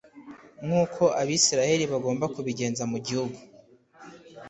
nk’uko abisirayeli bagomba kubigenza mu gihugu